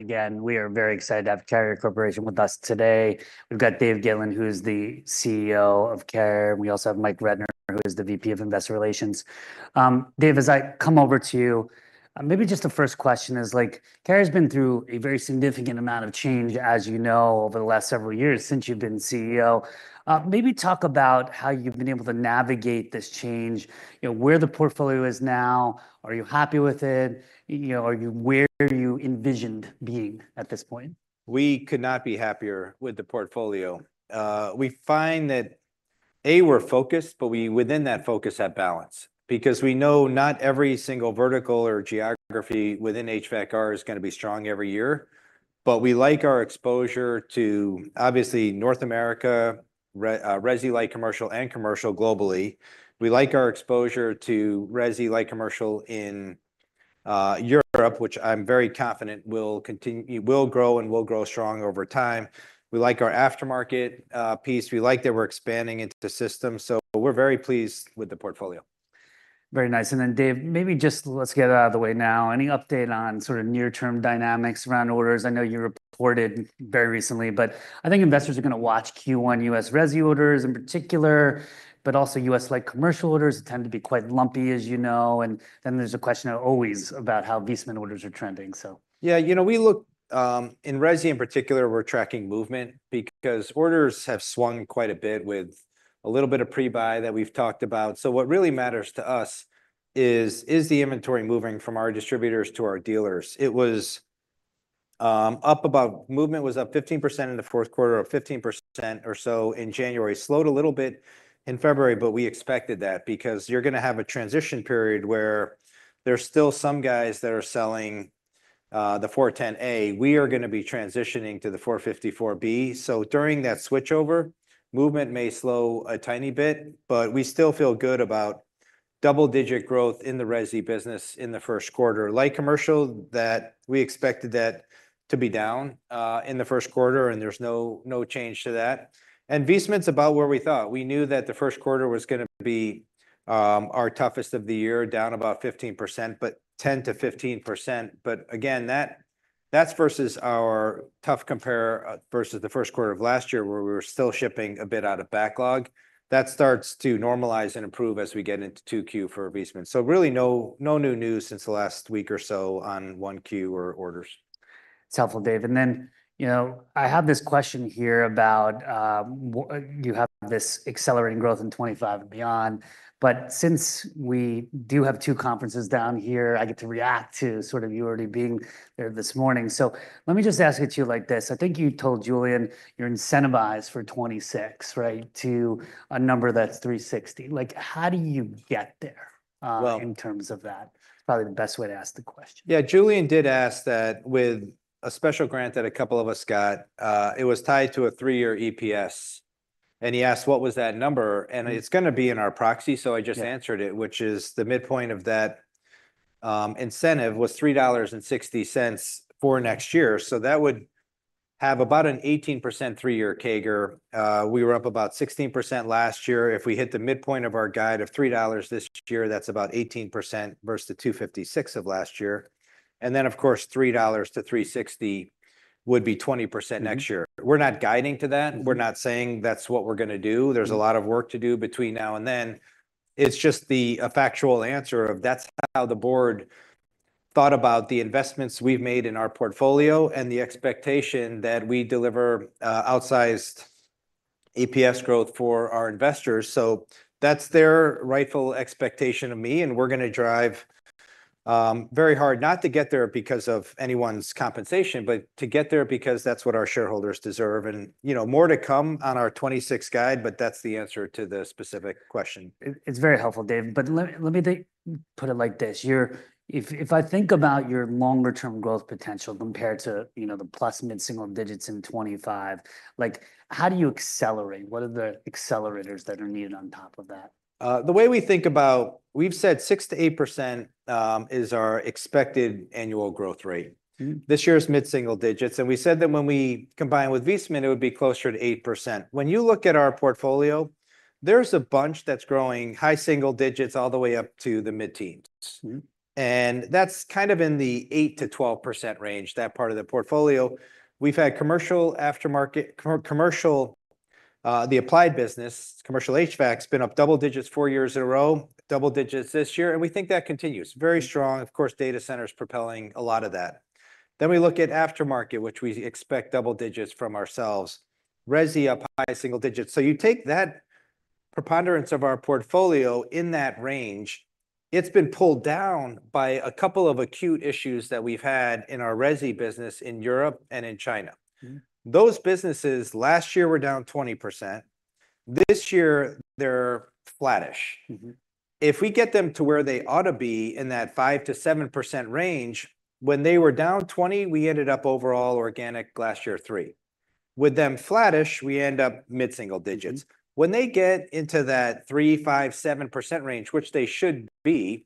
Again, we are very excited to have Carrier Corporation with us today. We've got Dave Gitlin, who is the CEO of Carrier. We also have Mike Rednor, who is the VP of Investor Relations. Dave, as I come over to you, maybe just the first question is, Carrier has been through a very significant amount of change, as you know, over the last several years since you've been CEO. Maybe talk about how you've been able to navigate this change. Where the portfolio is now? Are you happy with it? Where do you envision being at this point? We could not be happier with the portfolio. We find that, A, we're focused, but within that focus, that balance, because we know not every single vertical or geography within HVAC areas is going to be strong every year. But we like our exposure to, obviously, North America, residential commercial, and commercial globally. We like our exposure to residential commercial in Europe, which I'm very confident will grow and will grow strong over time. We like our aftermarket piece. We like that we're expanding into systems. So we're very pleased with the portfolio. Very nice. And then, Dave, maybe just let's get out of the way now. Any update on sort of near-term dynamics around orders? I know you reported very recently, but I think investors are going to watch Q1 U.S. residential orders in particular, but also U.S. light commercial orders that tend to be quite lumpy, as you know. And then there's a question always about how Viessmann orders are trending. Yeah, you know we look in residential in particular, we're tracking movement because orders have swung quite a bit with a little bit of pre-buy that we've talked about. So what really matters to us is, is the inventory moving from our distributors to our dealers? It was up about movement was up 15% in the fourth quarter or 15% or so in January, slowed a little bit in February, but we expected that because you're going to have a transition period where there's still some guys that are selling the R-410A. We are going to be transitioning to the R-454B. So during that switchover, movement may slow a tiny bit, but we still feel good about double-digit growth in the residential business in the first quarter. Like commercial, that we expected that to be down in the first quarter, and there's no change to that. Viessmann's about where we thought. We knew that the first quarter was going to be our toughest of the year, down about 15%, but 10%-15%. But again, that's versus our tough compare versus the first quarter of last year where we were still shipping a bit out of backlog. That starts to normalize and improve as we get into Q2 for Viessmann. So really no new news since the last week or so on 1Q orders. It's helpful, Dave, and then I have this question here about you have this accelerating growth in 2025 and beyond, but since we do have two conferences down here, I get to react to sort of you already being there this morning, so let me just ask it to you like this. I think you told Julian you're incentivized for 2026 to a number that's $3.60. How do you get there in terms of that? Probably the best way to ask the question. Yeah, Julian did ask that with a special grant that a couple of us got. It was tied to a three-year EPS, and he asked, what was that number? And it's going to be in our proxy, so I just answered it, which is the midpoint of that incentive was $3.60 for next year. So that would have about an 18% three-year CAGR. We were up about 16% last year. If we hit the midpoint of our guide of $3 this year, that's about 18% versus the $2.56 of last year, and then, of course, $3-$3.60 would be 20% next year. We're not guiding to that. We're not saying that's what we're going to do. There's a lot of work to do between now and then. It's just the factual answer of that's how the board thought about the investments we've made in our portfolio and the expectation that we deliver outsized EPS growth for our investors. So that's their rightful expectation of me. And we're going to drive very hard not to get there because of anyone's compensation, but to get there because that's what our shareholders deserve. And more to come on our 2026 guide, but that's the answer to the specific question. It's very helpful, Dave. But let me put it like this. If I think about your longer-term growth potential compared to the plus mid-single digits in 2025, how do you accelerate? What are the accelerators that are needed on top of that? The way we think about, we've said 6%-8% is our expected annual growth rate. This year's mid-single digits, and we said that when we combine with Viessmann, it would be closer to 8%. When you look at our portfolio, there's a bunch that's growing high single digits all the way up to the mid-teens, and that's kind of in the 8%-12% range, that part of the portfolio. We've had commercial, aftermarket, commercial, the applied business, commercial HVAC has been up double digits four years in a row, double digits this year, and we think that continues. Very strong. Of course, data centers propelling a lot of that. Then we look at aftermarket, which we expect double digits from ourselves. Residential up high single digits. So you take that preponderance of our portfolio in that range. It's been pulled down by a couple of acute issues that we've had in our Residential business in Europe and in China. Those businesses last year were down 20%. This year, they're flattish. If we get them to where they ought to be in that 5%-7% range, when they were down 20%, we ended up overall organic last year, 3%. With them flattish, we end up mid-single digits. When they get into that 3%-5%-7% range, which they should be,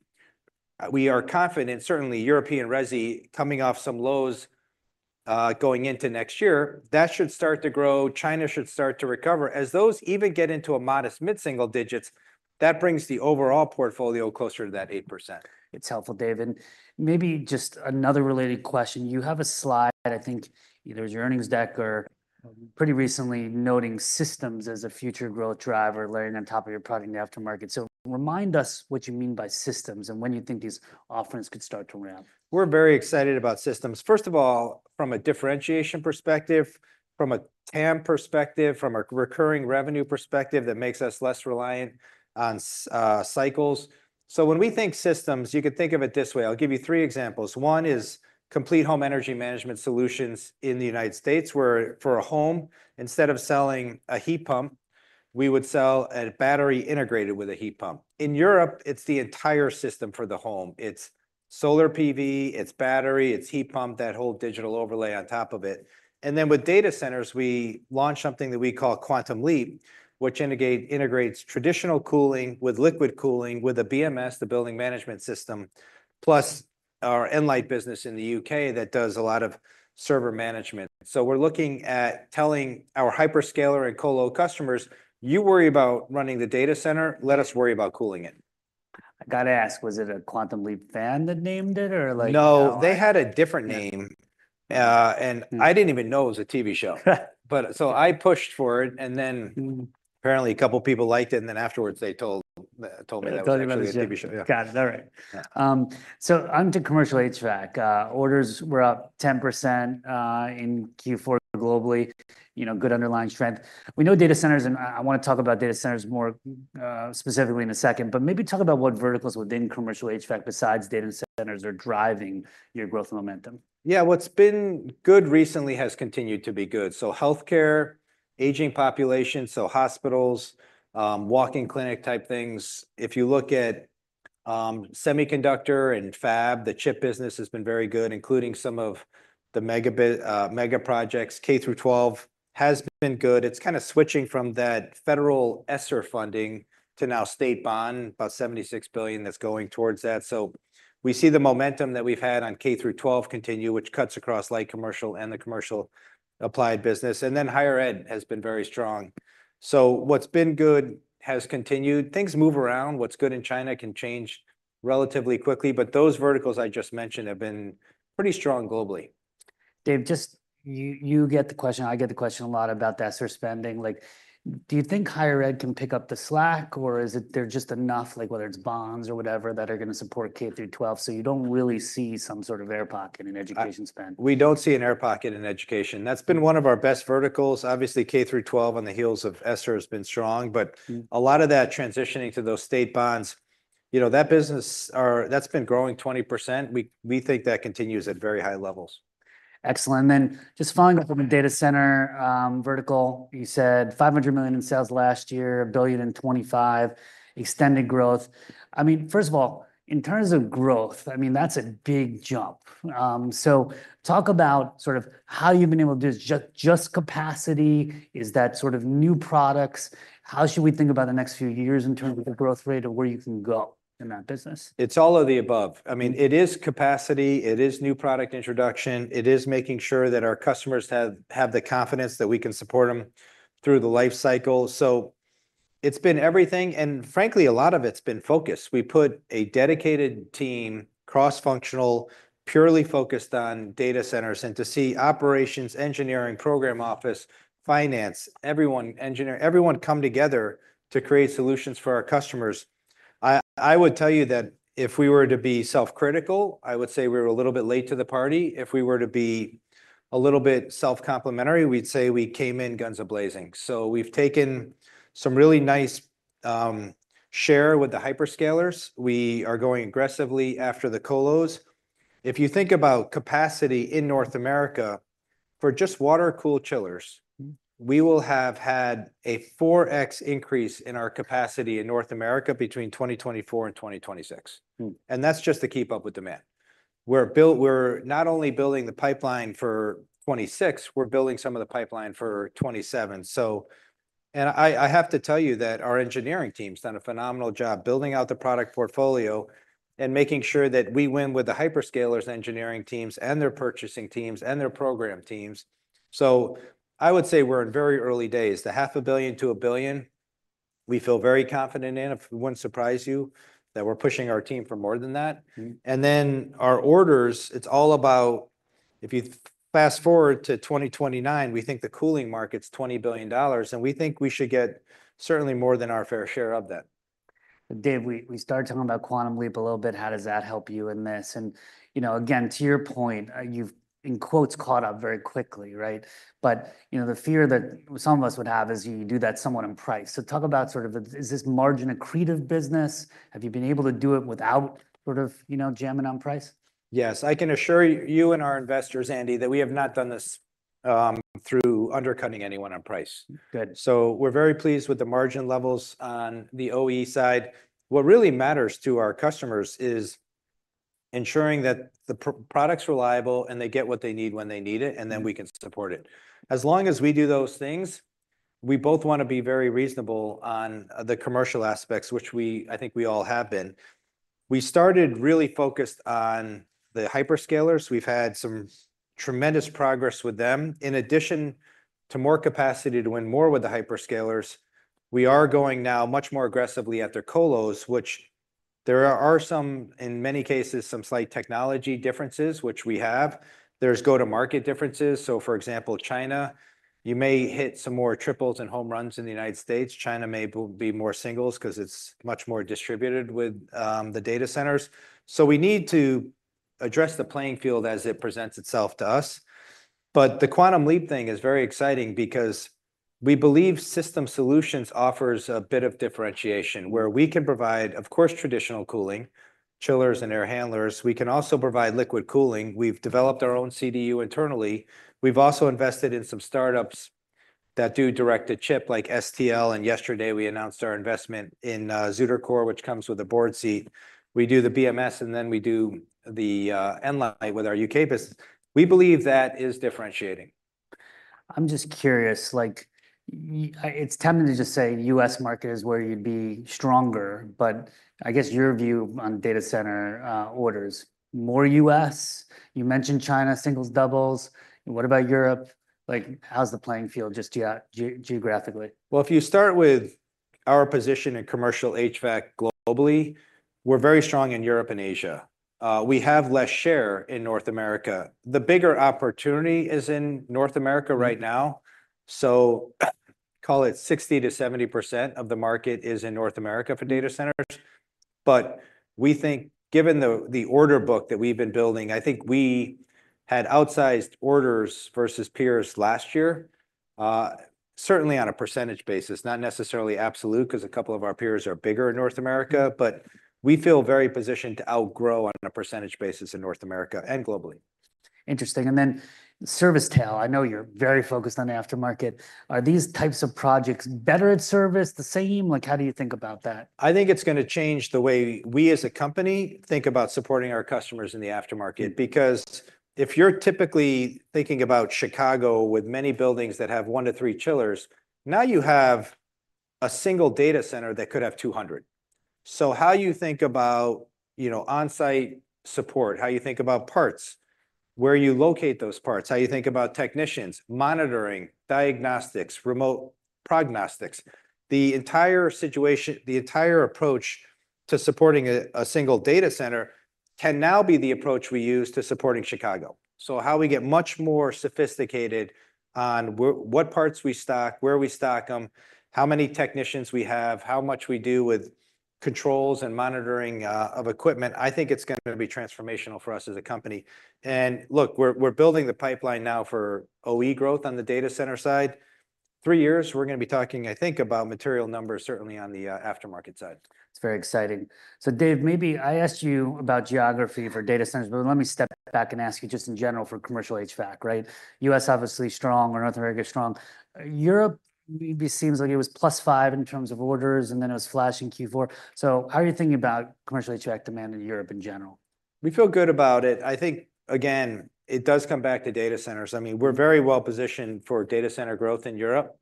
we are confident, certainly European Residential coming off some lows going into next year, that should start to grow. China should start to recover. As those even get into a modest mid-single digits, that brings the overall portfolio closer to that 8%. It's helpful, Dave. And maybe just another related question. You have a slide, I think there's your earnings deck, or pretty recently noting systems as a future growth driver, laying on top of your product in the aftermarket. So remind us what you mean by systems and when you think these offerings could start to ramp? We're very excited about systems. First of all, from a differentiation perspective, from a TAM perspective, from a recurring revenue perspective that makes us less reliant on cycles. So when we think systems, you could think of it this way. I'll give you three examples. One is complete home energy management solutions in the United States where for a home, instead of selling a heat pump, we would sell a battery integrated with a heat pump. In Europe, it's the entire system for the home. It's solar PV, it's battery, it's heat pump, that whole digital overlay on top of it. And then with data centers, we launched something that we call Quantum Leap, which integrates traditional cooling with liquid cooling with a BMS, the building management system, plus our Nlyte business in the U.K. that does a lot of server management. So we're looking at telling our hyperscaler and colo customers, you worry about running the data center, let us worry about cooling it. I got to ask, was it a Quantum Leap fan that named it or? No, they had a different name. And I didn't even know it was a TV show. So I pushed for it. And then apparently a couple of people liked it. And then afterwards, they told me that it was a TV show. Got it. All right. So onto commercial HVAC, orders were up 10% in Q4 globally. Good underlying strength. We know data centers, and I want to talk about data centers more specifically in a second, but maybe talk about what verticals within commercial HVAC besides data centers are driving your growth momentum. Yeah, what's been good recently has continued to be good. So healthcare, aging populations, so hospitals, walk-in clinic type things. If you look at semiconductor and fab, the chip business has been very good, including some of the mega projects. K through 12 has been good. It's kind of switching from that federal ESSER funding to now state bond, about $76 billion that's going towards that. So we see the momentum that we've had on K through 12 continue, which cuts across light commercial and the commercial applied business. And then higher ed has been very strong. So what's been good has continued. Things move around. What's good in China can change relatively quickly. But those verticals I just mentioned have been pretty strong globally. Dave, do you get the question? I get the question a lot about ESSER spending. Do you think higher ed can pick up the slack, or is it there just enough, whether it's bonds or whatever, that are going to support K through 12? So you don't really see some sort of air pocket in education spend. We don't see an air pocket in education. That's been one of our best verticals. Obviously, K through 12 on the heels of ESSER has been strong. But a lot of that transitioning to those state bonds, that business that's been growing 20%, we think that continues at very high levels. Excellent. Then just following up on the data center vertical, you said $500 million in sales last year, a billion in 2025, extended growth. I mean, first of all, in terms of growth, I mean, that's a big jump. So talk about sort of how you've been able to do this. Just capacity? Is that sort of new products? How should we think about the next few years in terms of the growth rate of where you can go in that business? It's all of the above. I mean, it is capacity. It is new product introduction. It is making sure that our customers have the confidence that we can support them through the life cycle. So it's been everything. And frankly, a lot of it's been focused. We put a dedicated team, cross-functional, purely focused on data centers and DC operations, engineering, program office, finance, engineering, everyone come together to create solutions for our customers. I would tell you that if we were to be self-critical, I would say we were a little bit late to the party. If we were to be a little bit self-complimentary, we'd say we came in guns a-blazing. So we've taken some really nice share with the hyperscalers. We are going aggressively after the colos. If you think about capacity in North America for just water-cooled chillers, we will have had a 4x increase in our capacity in North America between 2024 and 2026. And that's just to keep up with demand. We're not only building the pipeline for 2026, we're building some of the pipeline for 2027. And I have to tell you that our engineering team's done a phenomenal job building out the product portfolio and making sure that we win with the hyperscalers' engineering teams and their purchasing teams and their program teams. So I would say we're in very early days. The $500 million-$1 billion, we feel very confident in. It wouldn't surprise you that we're pushing our team for more than that. And then our orders, it's all about if you fast forward to 2029, we think the cooling market's $20 billion. We think we should get certainly more than our fair share of that. Dave, we started talking about Quantum Leap a little bit. How does that help you in this? And again, to your point, you've, in quotes, caught up very quickly, right? But the fear that some of us would have is you do that somewhat in price. So talk about sort of is this margin accretive business? Have you been able to do it without sort of jamming on price? Yes. I can assure you and our investors, Andy, that we have not done this through undercutting anyone on price, so we're very pleased with the margin levels on the OE side. What really matters to our customers is ensuring that the product's reliable and they get what they need when they need it, and then we can support it. As long as we do those things, we both want to be very reasonable on the commercial aspects, which I think we all have been. We started really focused on the hyperscalers. We've had some tremendous progress with them. In addition to more capacity to win more with the hyperscalers, we are going now much more aggressively at their colos, which there are some, in many cases, some slight technology differences, which we have. There's go-to-market differences. So for example, China, you may hit some more triples and home runs in the United States. China may be more singles because it's much more distributed with the data centers. So we need to address the playing field as it presents itself to us. But the Quantum Leap thing is very exciting because we believe System Solutions offers a bit of differentiation where we can provide, of course, traditional cooling, chillers and air handlers. We can also provide liquid cooling. We've developed our own CDU internally. We've also invested in some startups that do direct-to-chip like STL. And yesterday, we announced our investment in ZutaCore, which comes with a board seat. We do the BMS, and then we do the Nlyte with our U.K. business. We believe that is differentiating. I'm just curious. It's tempting to just say the U.S. market is where you'd be stronger. But I guess your view on data center orders, more U.S.? You mentioned China, singles, doubles. What about Europe? How's the playing field just geographically? If you start with our position in commercial HVAC globally, we're very strong in Europe and Asia. We have less share in North America. The bigger opportunity is in North America right now. So call it 60%-70% of the market is in North America for data centers. But we think given the order book that we've been building, I think we had outsized orders versus peers last year, certainly on a percentage basis, not necessarily absolute because a couple of our peers are bigger in North America. But we feel very positioned to outgrow on a percentage basis in North America and globally. Interesting. And then service tailwinds, I know you're very focused on aftermarket. Are these types of projects better at service, the same? How do you think about that? I think it's going to change the way we as a company think about supporting our customers in the aftermarket because if you're typically thinking about Chicago with many buildings that have one to three chillers, now you have a single data center that could have 200. So how you think about on-site support, how you think about parts, where you locate those parts, how you think about technicians, monitoring, diagnostics, remote prognostics, the entire situation, the entire approach to supporting a single data center can now be the approach we use to supporting Chicago. So how we get much more sophisticated on what parts we stock, where we stock them, how many technicians we have, how much we do with controls and monitoring of equipment, I think it's going to be transformational for us as a company. Look, we're building the pipeline now for OE growth on the data center side. Three years, we're going to be talking, I think, about material numbers, certainly on the aftermarket side. It's very exciting. So Dave, maybe I asked you about geography for data centers, but let me step back and ask you just in general for commercial HVAC, right? U.S. obviously strong or North America strong. Europe maybe seems like it was +5% in terms of orders, and then it flashed in Q4. So how are you thinking about commercial HVAC demand in Europe in general? We feel good about it. I think, again, it does come back to data centers. I mean, we're very well positioned for data center growth in Europe.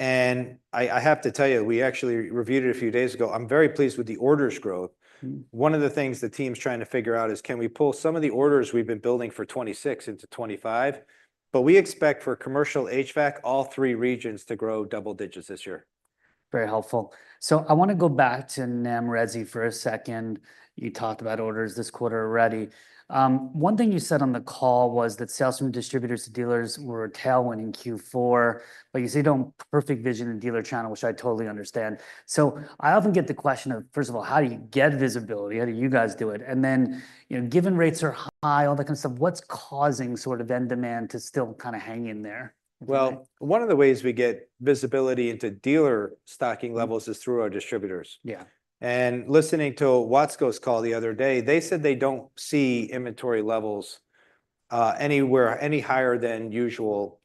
And I have to tell you, we actually reviewed it a few days ago. I'm very pleased with the orders growth. One of the things the team's trying to figure out is can we pull some of the orders we've been building for 2026 into 2025? But we expect for commercial HVAC, all three regions to grow double digits this year. Very helpful. So I want to go back to NAM resi for a second. You talked about orders this quarter already. One thing you said on the call was that sales from distributors to dealers were a tailwind in Q4. But you say you don't have perfect vision in dealer channel, which I totally understand. So I often get the question of, first of all, how do you get visibility? How do you guys do it? And then given rates are high, all that kind of stuff, what's causing sort of end demand to still kind of hang in there? One of the ways we get visibility into dealer stocking levels is through our distributors. Yeah. Listening to Watsco's call the other day, they said they don't see inventory levels anywhere any higher than usual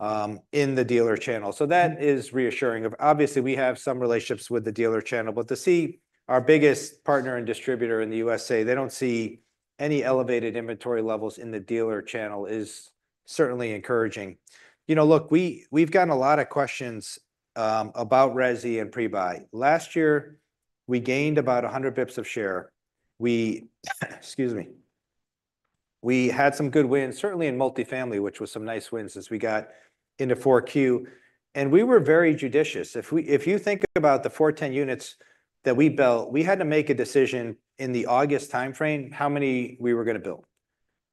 in the dealer channel. So that is reassuring. Obviously, we have some relationships with the dealer channel. But to see our biggest partner and distributor in the U.S. say they don't see any elevated inventory levels in the dealer channel is certainly encouraging. You know, look, we've gotten a lot of questions about resi and Prebuy. Last year, we gained about 100 basis points of share. Excuse me. We had some good wins, certainly in multifamily, which was some nice wins as we got into 4Q. We were very judicious. If you think about the R-410A units that we built, we had to make a decision in the August time frame how many we were going to build.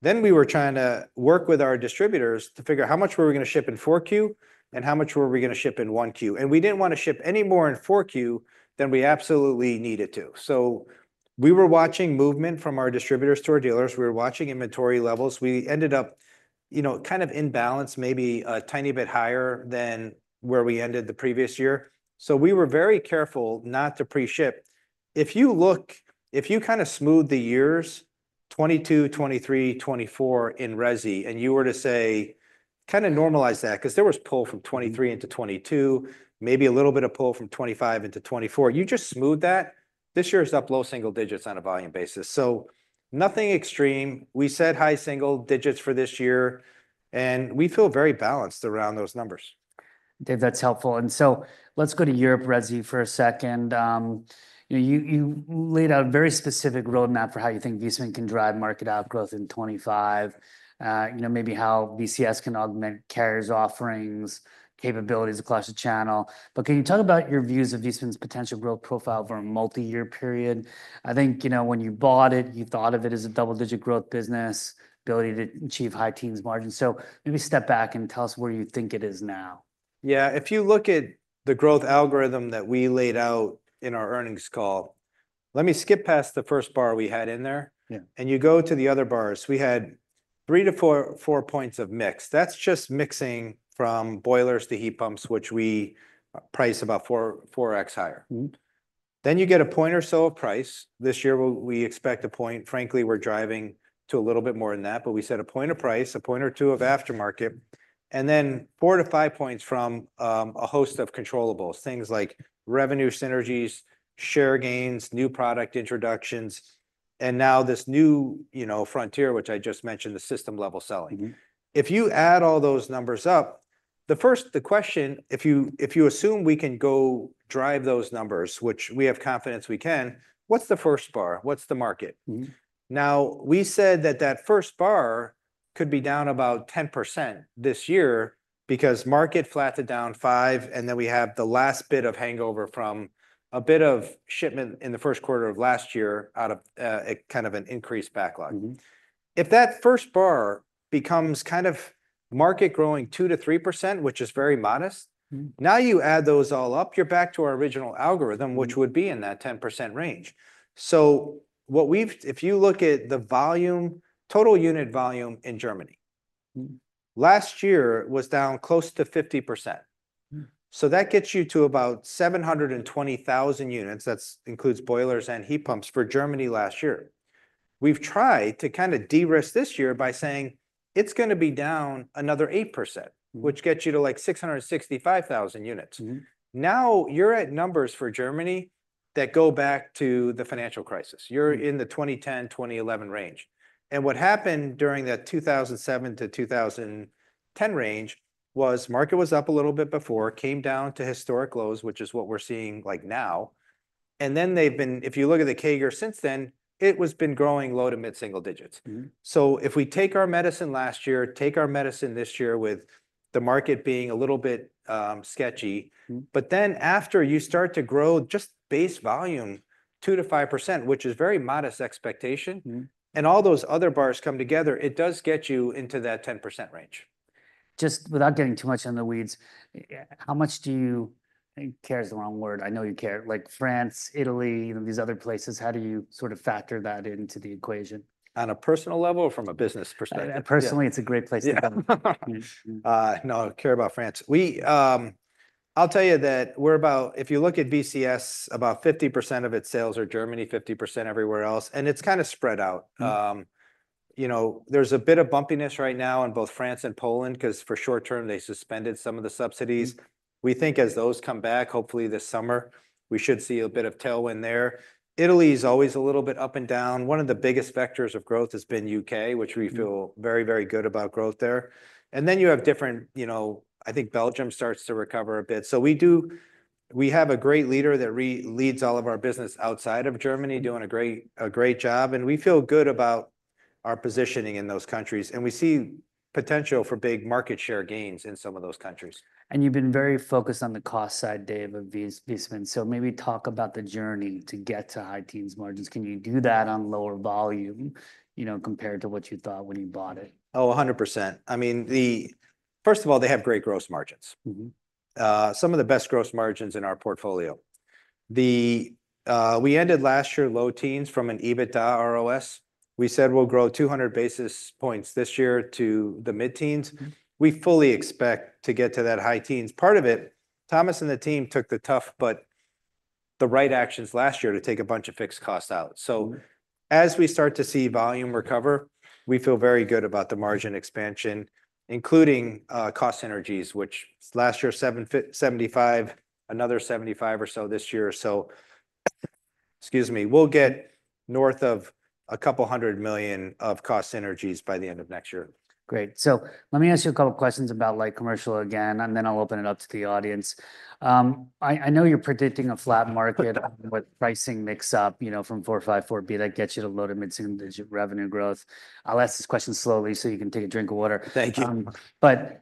Then we were trying to work with our distributors to figure out how much were we going to ship in 4Q and how much were we going to ship in 1Q. And we didn't want to ship any more in 4Q than we absolutely needed to. So we were watching movement from our distributors to our dealers. We were watching inventory levels. We ended up kind of in balance, maybe a tiny bit higher than where we ended the previous year. So we were very careful not to pre-ship. If you look, if you kind of smooth the years 2022, 2023, 2024 in resi and you were to say kind of normalize that because there was pull from 2023 into 2022, maybe a little bit of pull from 2025 into 2024, you just smooth that, this year is up low single digits on a volume basis. So nothing extreme. We said high single digits for this year. And we feel very balanced around those numbers. Dave, that's helpful. And so let's go to Europe resi for a second. You laid out a very specific roadmap for how you think Viessmann can drive market outgrowth in 2025, maybe how VCS can augment Carrier's offerings, capabilities across the channel. But can you talk about your views of Viessmann's potential growth profile for a multi-year period? I think when you bought it, you thought of it as a double-digit growth business, ability to achieve high teens margin. So maybe step back and tell us where you think it is now. Yeah. If you look at the growth algorithm that we laid out in our earnings call, let me skip past the first bar we had in there. And you go to the other bars. We had three to four points of mix. That's just mixing from boilers to heat pumps, which we price about 4x higher. Then you get a point or so of price. This year, we expect a point. Frankly, we're driving to a little bit more than that. But we set a point of price, a point or two of aftermarket, and then four to five points from a host of controllables, things like revenue synergies, share gains, new product introductions, and now this new frontier, which I just mentioned, the system-level selling. If you add all those numbers up, the first question, if you assume we can go drive those numbers, which we have confidence we can, what's the first bar? What's the market? Now, we said that that first bar could be down about 10% this year because market flattened down 5%. And then we have the last bit of hangover from a bit of shipment in the first quarter of last year out of kind of an increased backlog. If that first bar becomes kind of market growing 2%-3%, which is very modest, now you add those all up, you're back to our original algorithm, which would be in that 10% range. So if you look at the volume, total unit volume in Germany last year was down close to 50%. So that gets you to about 720,000 units. That includes boilers and heat pumps for Germany last year. We've tried to kind of de-risk this year by saying it's going to be down another 8%, which gets you to like 665,000 units. Now you're at numbers for Germany that go back to the financial crisis. You're in the 2010, 2011 range, and what happened during the 2007 to 2010 range was market was up a little bit before, came down to historic lows, which is what we're seeing like now, and then they've been, if you look at the CAGR since then, it has been growing low to mid-single digits, so if we take our medicine last year, take our medicine this year with the market being a little bit sketchy. But then after you start to grow just base volume 2%-5%, which is very modest expectation, and all those other bars come together, it does get you into that 10% range. Just without getting too much into the weeds, how much do you care is the wrong word. I know you care. Like France, Italy, these other places, how do you sort of factor that into the equation? On a personal level or from a business perspective? Personally, it's a great place to go. No, I care about France. I'll tell you that we're about, if you look at VCS, about 50% of its sales are in Germany, 50% everywhere else. And it's kind of spread out. There's a bit of bumpiness right now in both France and Poland because for short term, they suspended some of the subsidies. We think as those come back, hopefully this summer, we should see a bit of tailwind there. Italy is always a little bit up and down. One of the biggest vectors of growth has been U.K., which we feel very, very good about growth there. And then you have different, I think Belgium starts to recover a bit. So we have a great leader that leads all of our business outside of Germany doing a great job. And we feel good about our positioning in those countries. We see potential for big market share gains in some of those countries. And you've been very focused on the cost side, Dave, of Viessmann. So maybe talk about the journey to get to high-teens margins. Can you do that on lower volume compared to what you thought when you bought it? Oh, 100%. I mean, first of all, they have great gross margins, some of the best gross margins in our portfolio. We ended last year low teens from an EBITDA ROS. We said we'll grow 200 basis points this year to the mid-teens. We fully expect to get to that high teens. Part of it, Thomas and the team took the tough but the right actions last year to take a bunch of fixed costs out. So as we start to see volume recover, we feel very good about the margin expansion, including cost synergies, which last year $75 million, another $75 million or so this year. So excuse me, we'll get north of $200 million of cost synergies by the end of next year. Great. So let me ask you a couple of questions about commercial again, and then I'll open it up to the audience. I know you're predicting a flat market with pricing mix-up from R-454B that gets you to low- to mid-single-digit revenue growth. I'll ask this question slowly so you can take a drink of water. Thank you. But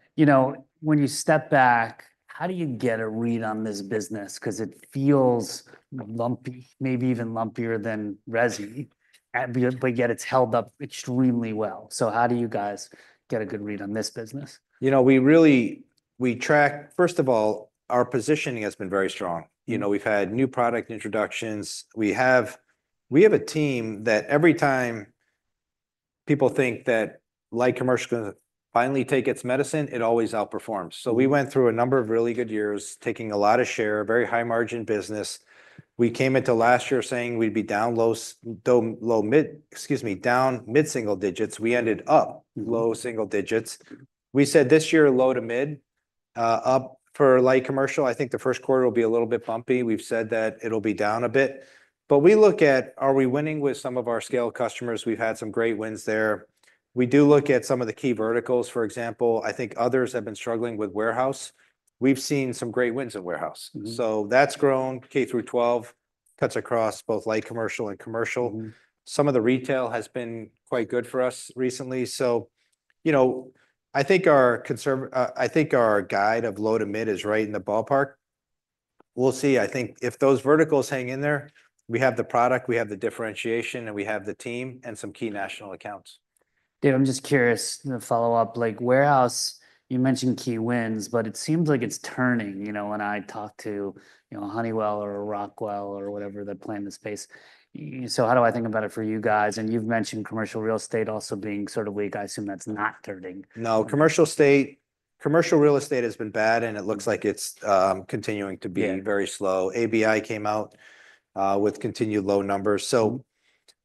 when you step back, how do you get a read on this business? Because it feels lumpy, maybe even lumpier than resi, but yet it's held up extremely well. So how do you guys get a good read on this business? You know. We track, first of all, our positioning has been very strong. We've had new product introductions. We have a team that every time people think that commercial is going to finally take its medicine, it always outperforms. So we went through a number of really good years taking a lot of share, very high margin business. We came into last year saying we'd be down low, excuse me, down mid-single digits. We ended up low single digits. We said this year low to mid up for light commercial. I think the first quarter will be a little bit bumpy. We've said that it'll be down a bit. But we look at are we winning with some of our scale customers. We've had some great wins there. We do look at some of the key verticals. For example, I think others have been struggling with warehouse. We've seen some great wins in warehouse, so that's grown. K through 12 cuts across both light commercial and commercial. Some of the retail has been quite good for us recently, so I think our guide of low to mid is right in the ballpark. We'll see. I think if those verticals hang in there, we have the product, we have the differentiation, and we have the team and some key national accounts. Dave, I'm just curious to follow up. Warehouse, you mentioned key wins, but it seems like it's turning. When I talk to Honeywell or Rockwell or whatever that play in the space, so how do I think about it for you guys? And you've mentioned commercial real estate also being sort of weak. I assume that's not turning. No. Commercial real estate has been bad, and it looks like it's continuing to be very slow. ABI came out with continued low numbers, so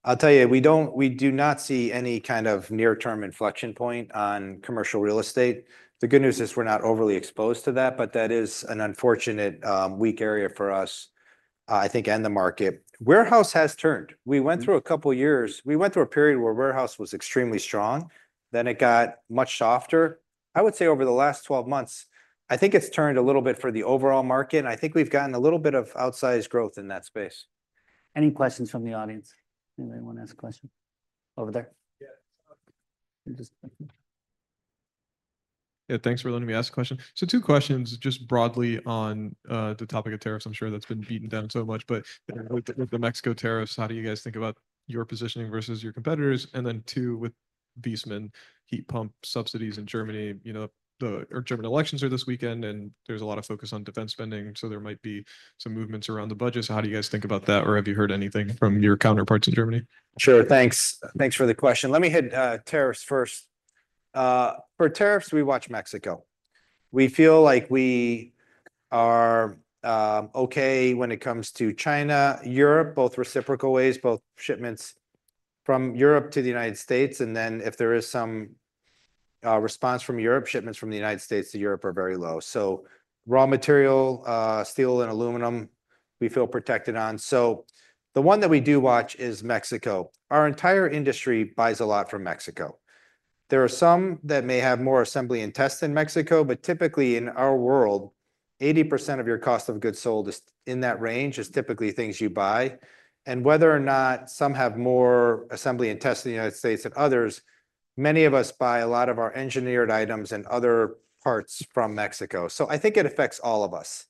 I'll tell you, we do not see any kind of near-term inflection point on commercial real estate. The good news is we're not overly exposed to that, but that is an unfortunate weak area for us, I think, and the market. Warehouse has turned. We went through a couple of years. We went through a period where warehouse was extremely strong, then it got much softer. I would say over the last 12 months, I think it's turned a little bit for the overall market, and I think we've gotten a little bit of outsized growth in that space. Any questions from the audience? Anybody want to ask a question? Over there. Yeah. Thanks for letting me ask a question. So two questions just broadly on the topic of tariffs. I'm sure that's been beaten down so much. But with the Mexico tariffs, how do you guys think about your positioning versus your competitors? And then two, with Viessmann heat pump subsidies in Germany, German elections are this weekend, and there's a lot of focus on defense spending. So there might be some movements around the budget. So how do you guys think about that? Or have you heard anything from your counterparts in Germany? Sure. Thanks for the question. Let me hit tariffs first. For tariffs, we watch Mexico. We feel like we are okay when it comes to China, Europe, both reciprocal ways, both shipments from Europe to the United States. And then if there is some response from Europe, shipments from the United States to Europe are very low. So raw material, steel, and aluminum, we feel protected on. So the one that we do watch is Mexico. Our entire industry buys a lot from Mexico. There are some that may have more assembly and test in Mexico. But typically in our world, 80% of your cost of goods sold is in that range is typically things you buy. And whether or not some have more assembly and test in the United States than others, many of us buy a lot of our engineered items and other parts from Mexico. So I think it affects all of us.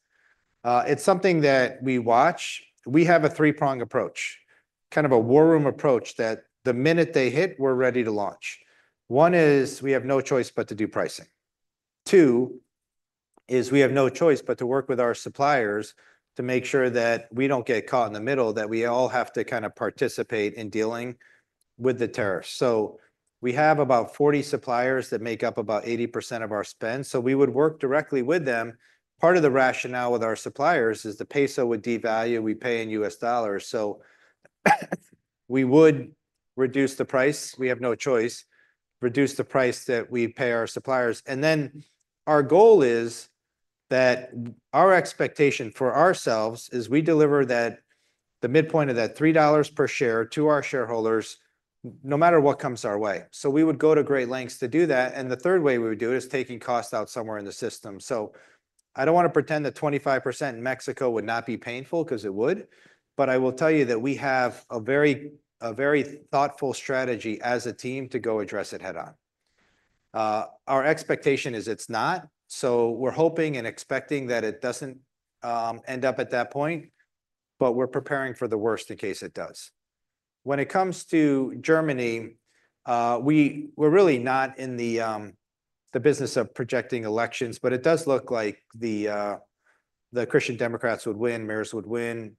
It's something that we watch. We have a three-prong approach, kind of a war room approach that the minute they hit, we're ready to launch. One is we have no choice but to do pricing. Two is we have no choice but to work with our suppliers to make sure that we don't get caught in the middle, that we all have to kind of participate in dealing with the tariffs. So we have about 40 suppliers that make up about 80% of our spend. So we would work directly with them. Part of the rationale with our suppliers is the peso would devalue. We pay in U.S. dollars. So we would reduce the price. We have no choice. Reduce the price that we pay our suppliers. Our goal is that our expectation for ourselves is we deliver the midpoint of that $3 per share to our shareholders no matter what comes our way. So we would go to great lengths to do that. The third way we would do it is taking costs out somewhere in the system. So I don't want to pretend that 25% in Mexico would not be painful because it would. But I will tell you that we have a very thoughtful strategy as a team to go address it head-on. Our expectation is it's not. So we're hoping and expecting that it doesn't end up at that point. But we're preparing for the worst in case it does. When it comes to Germany, we're really not in the business of projecting elections. But it does look like the Christian Democrats would win. Merz would win.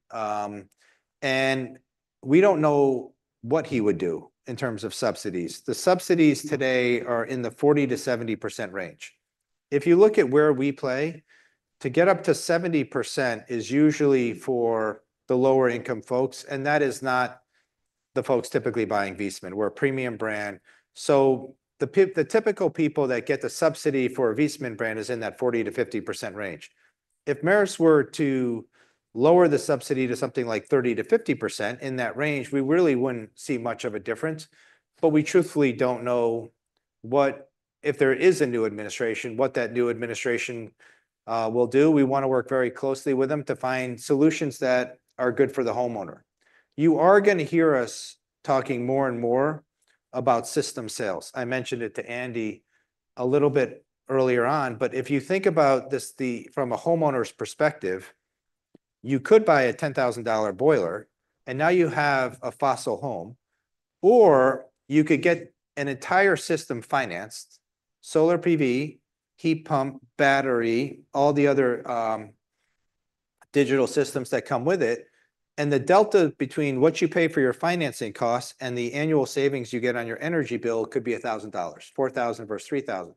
We don't know what he would do in terms of subsidies. The subsidies today are in the 40%-70% range. If you look at where we play, to get up to 70% is usually for the lower-income folks. That is not the folks typically buying Viessmann. We're a premium brand. So the typical people that get the subsidy for Viessmann brand is in that 40%-50% range. If Merz were to lower the subsidy to something like 30%-50% in that range, we really wouldn't see much of a difference. But we truthfully don't know if there is a new administration, what that new administration will do. We want to work very closely with them to find solutions that are good for the homeowner. You are going to hear us talking more and more about system sales. I mentioned it to Andy a little bit earlier on, but if you think about this from a homeowner's perspective, you could buy a $10,000 boiler, and now you have a fossil home, or you could get an entire system financed, solar PV, heat pump, battery, all the other digital systems that come with it. And the delta between what you pay for your financing costs and the annual savings you get on your energy bill could be $1,000, $4,000 versus $3,000,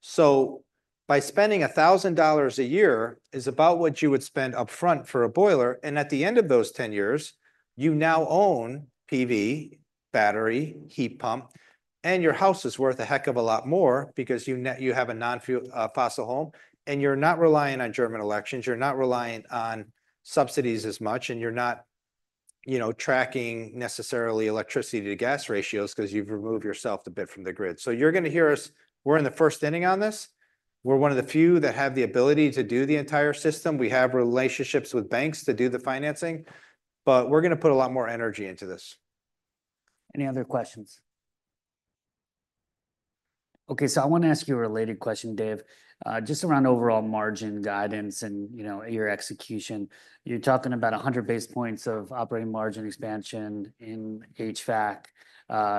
so by spending $1,000 a year is about what you would spend upfront for a boiler, and at the end of those 10 years, you now own PV, battery, heat pump. And your house is worth a heck of a lot more because you have a non-fossil home, and you're not relying on German elections. You're not relying on subsidies as much. And you're not tracking necessarily electricity to gas ratios because you've removed yourself a bit from the grid. So you're going to hear us. We're in the first inning on this. We're one of the few that have the ability to do the entire system. We have relationships with banks to do the financing. But we're going to put a lot more energy into this. Any other questions? Okay. So I want to ask you a related question, Dave, just around overall margin guidance and your execution. You're talking about 100 basis points of operating margin expansion in HVAC,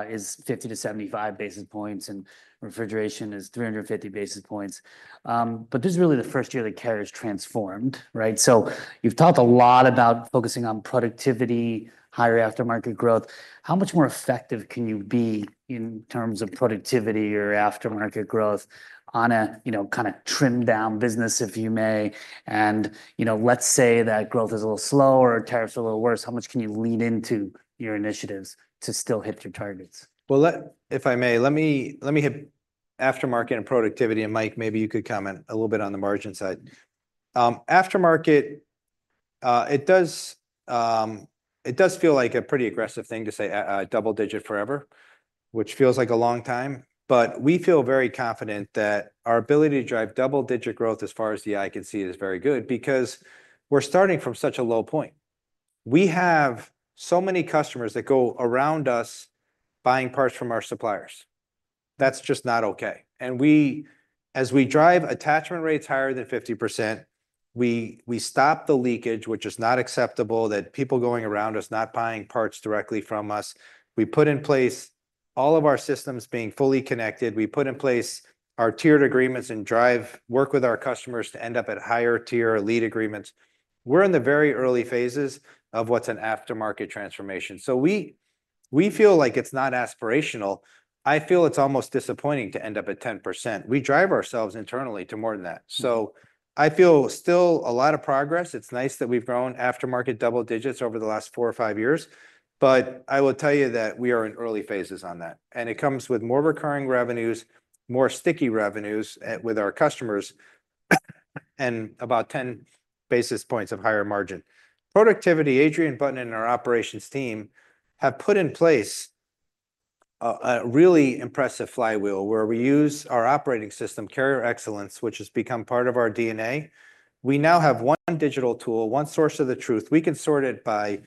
is 50 to 75 basis points. And refrigeration is 350 basis points. But this is really the first year that Carrier's transformed. So you've talked a lot about focusing on productivity, higher aftermarket growth. How much more effective can you be in terms of productivity or aftermarket growth on a kind of trimmed-down business, if you may? And let's say that growth is a little slower or tariffs are a little worse. How much can you lean into your initiatives to still hit your targets? If I may, let me hit aftermarket and productivity. Mike, maybe you could comment a little bit on the margin side. Aftermarket, it does feel like a pretty aggressive thing to say double-digit forever, which feels like a long time. We feel very confident that our ability to drive double-digit growth as far as the eye can see is very good because we're starting from such a low point. We have so many customers that go around us buying parts from our suppliers. That's just not okay. As we drive attachment rates higher than 50%, we stop the leakage, which is not acceptable, that people going around us not buying parts directly from us. We put in place all of our systems being fully connected. We put in place our tiered agreements and work with our customers to end up at higher tier lead agreements. We're in the very early phases of what's an aftermarket transformation, so we feel like it's not aspirational. I feel it's almost disappointing to end up at 10%. We drive ourselves internally to more than that, so I feel still a lot of progress. It's nice that we've grown aftermarket double digits over the last four or five years, but I will tell you that we are in early phases on that, and it comes with more recurring revenues, more sticky revenues with our customers, and about 10 basis points of higher margin. Productivity, Adrian Button and our operations team have put in place a really impressive flywheel where we use our operating system, Carrier Excellence, which has become part of our DNA. We now have one digital tool, one source of the truth. We can sort it by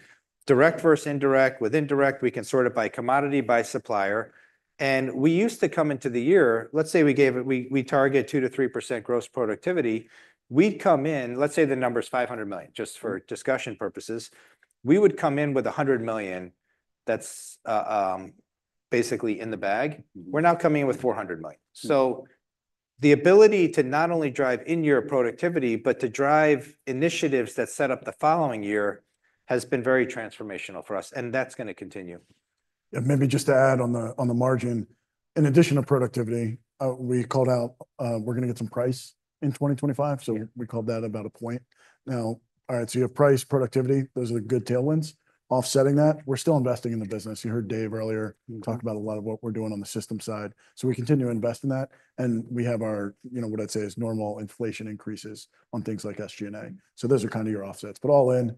direct versus indirect. With indirect, we can sort it by commodity, by supplier. And we used to come into the year, let's say we target 2%-3% gross productivity. We'd come in, let's say the number is $500 million, just for discussion purposes. We would come in with $100 million. That's basically in the bag. We're now coming in with $400 million. So the ability to not only drive in your productivity, but to drive initiatives that set up the following year has been very transformational for us. And that's going to continue. And maybe just to add on the margin, in addition to productivity, we called out we're going to get some price in 2025. So we called that about a point. Now, all right, so you have price, productivity. Those are the good tailwinds. Offsetting that, we're still investing in the business. You heard Dave earlier talk about a lot of what we're doing on the system side. So we continue to invest in that. And we have our what I'd say is normal inflation increases on things like SG&A. So those are kind of your offsets. But all in,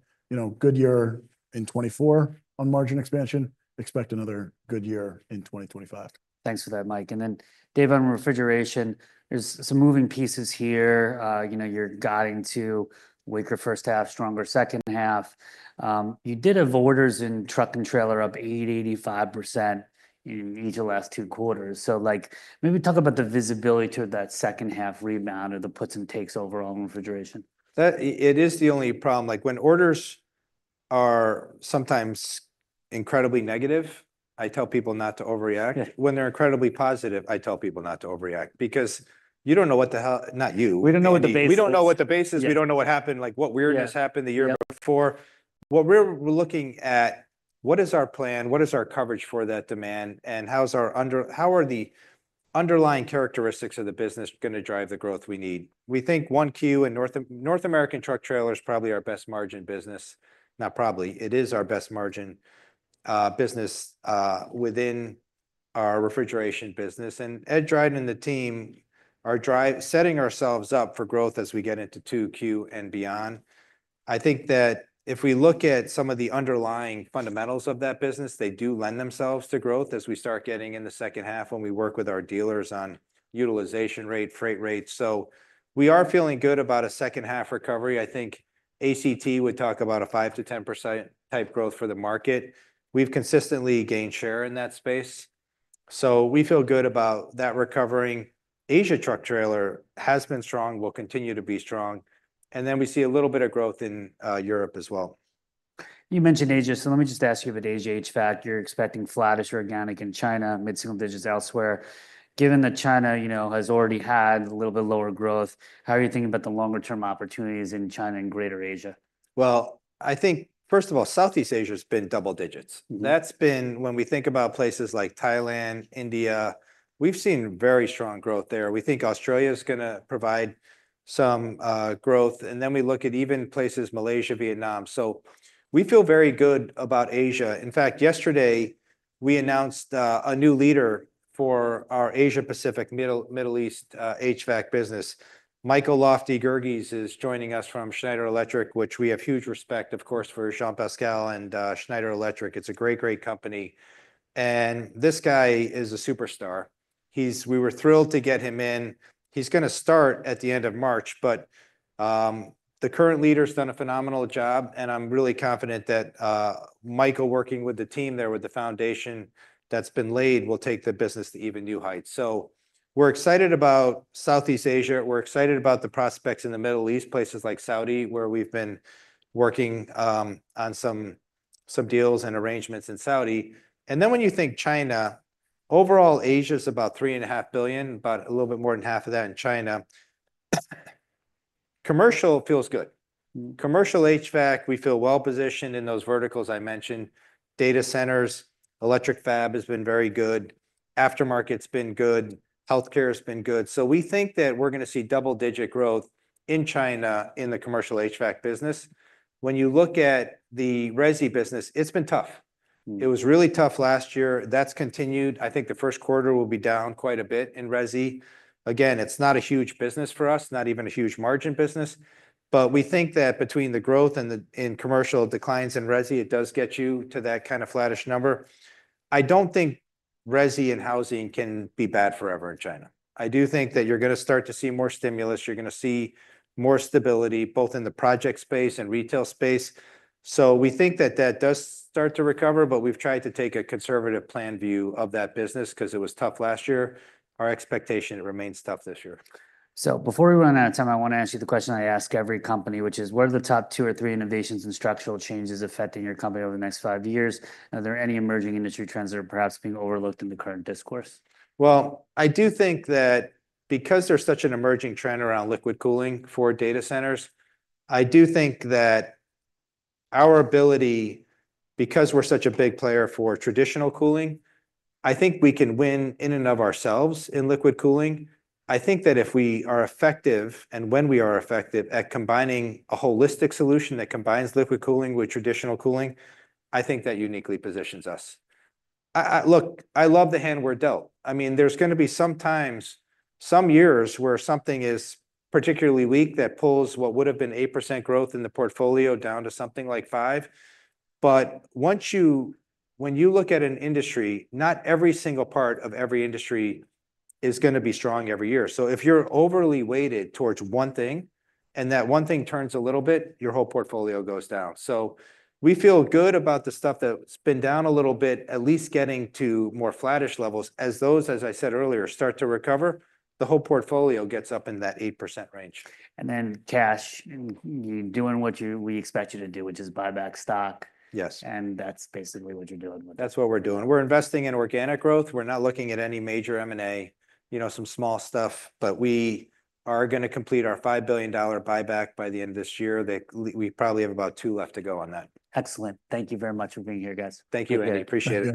good year in 2024 on margin expansion. Expect another good year in 2025. Thanks for that, Mike. And then, Dave, on refrigeration, there's some moving parts here. You're guiding to weaker first half, stronger second half. You did have orders in truck and trailer up 80%, 85% in each of the last two quarters. So maybe talk about the visibility to that second half rebound or the puts and takes over on refrigeration. It is the only problem. When orders are sometimes incredibly negative, I tell people not to overreact. When they're incredibly positive, I tell people not to overreact because you don't know what the hell to do. We don't know what the base is. We don't know what the base is. We don't know what happened, what weirdness happened the year before. What we're looking at, what is our plan? What is our coverage for that demand? And how are the underlying characteristics of the business going to drive the growth we need? We think 1Q and North American truck trailers probably are our best margin business. Not probably. It is our best margin business within our refrigeration business. And Ed Dryden and the team are setting ourselves up for growth as we get into 2Q and beyond. I think that if we look at some of the underlying fundamentals of that business, they do lend themselves to growth as we start getting in the second half when we work with our dealers on utilization rate, freight rates. So we are feeling good about a second half recovery. I think ACT would talk about a 5%-10% type growth for the market. We've consistently gained share in that space. So we feel good about that recovering. Asia truck trailer has been strong. It will continue to be strong, and then we see a little bit of growth in Europe as well. You mentioned Asia. So let me just ask you about Asia HVAC. You're expecting flattish organic in China, mid-single digits elsewhere. Given that China has already had a little bit lower growth, how are you thinking about the longer-term opportunities in China and Greater Asia? I think, first of all, Southeast Asia has been double digits. That's been when we think about places like Thailand, India; we've seen very strong growth there. We think Australia is going to provide some growth. And then we look at even places, Malaysia, Vietnam. So we feel very good about Asia. In fact, yesterday, we announced a new leader for our Asia Pacific, Middle East HVAC business. Michael Lotfy Gierges is joining us from Schneider Electric, which we have huge respect, of course, for Jean-Pascal and Schneider Electric. It's a great, great company. And this guy is a superstar. We were thrilled to get him in. He's going to start at the end of March. But the current leader has done a phenomenal job. And I'm really confident that Michael working with the team there with the foundation that's been laid will take the business to even new heights. So we're excited about Southeast Asia. We're excited about the prospects in the Middle East, places like Saudi, where we've been working on some deals and arrangements in Saudi. And then when you think China, overall, Asia is about 3.5 billion, about a little bit more than half of that in China. Commercial feels good. Commercial HVAC, we feel well positioned in those verticals I mentioned. Data centers, electric fab has been very good. Aftermarket's been good. Healthcare has been good. So we think that we're going to see double-digit growth in China in the commercial HVAC business. When you look at the resi business, it's been tough. It was really tough last year. That's continued. I think the first quarter will be down quite a bit in resi. Again, it's not a huge business for us, not even a huge margin business. But we think that between the growth and commercial declines in resi, it does get you to that kind of flattish number. I don't think resi and housing can be bad forever in China. I do think that you're going to start to see more stimulus. You're going to see more stability both in the project space and retail space. So we think that that does start to recover. But we've tried to take a conservative plan view of that business because it was tough last year. Our expectation remains tough this year. Before we run out of time, I want to ask you the question I ask every company, which is, what are the top two or three innovations and structural changes affecting your company over the next five years? Are there any emerging industry trends that are perhaps being overlooked in the current discourse? I do think that because there's such an emerging trend around liquid cooling for data centers, I do think that our ability, because we're such a big player for traditional cooling, I think we can win in and of ourselves in liquid cooling. I think that if we are effective, and when we are effective, at combining a holistic solution that combines liquid cooling with traditional cooling, I think that uniquely positions us. Look, I love the hand we're dealt. I mean, there's going to be some times, some years where something is particularly weak that pulls what would have been 8% growth in the portfolio down to something like 5%. But when you look at an industry, not every single part of every industry is going to be strong every year. So if you're overly weighted towards one thing, and that one thing turns a little bit, your whole portfolio goes down. So we feel good about the stuff that's been down a little bit, at least getting to more flattish levels. As those, as I said earlier, start to recover, the whole portfolio gets up in that 8% range. And then cash, you're doing what we expect you to do, which is buy back stock. Yes. That's basically what you're doing with it. That's what we're doing. We're investing in organic growth. We're not looking at any major M&A, some small stuff. But we are going to complete our $5 billion buyback by the end of this year. We probably have about two left to go on that. Excellent. Thank you very much for being here, guys. Thank you, Eddie. Appreciate it.